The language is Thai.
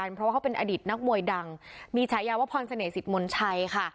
เพราะว่าเขาเป็นอดีตนักมวยดังมีฉายาว่าพรเสน่หสิทธิ์มนชัยค่ะ